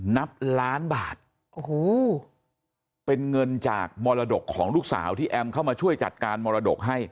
นับล้านบาทโอ้โหเป็นเงินจากมรดกของลูกสาวที่แอมเข้ามาช่วยจัดการมรดกให้